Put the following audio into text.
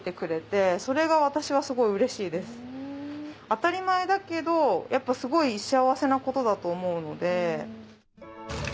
当たり前だけどすごい幸せなことだと思うので。